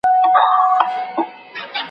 ولي هوډمن سړی د وړ کس په پرتله خنډونه ماتوي؟